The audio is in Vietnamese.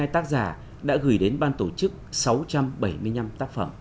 một trăm ba mươi hai tác giả đã gửi đến ban tổ chức sáu trăm bảy mươi năm tác phẩm